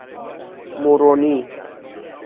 مورونی